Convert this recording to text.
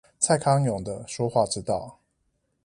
蔡康永的說話之道